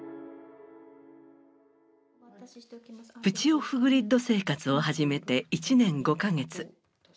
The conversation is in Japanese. プチオフグリッド生活を始めて１年５か月。